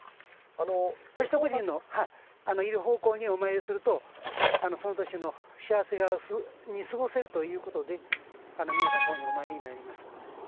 歳徳神のいる方向にお参りすると、その年が幸せに過ごせるということで皆さん、お参りになります。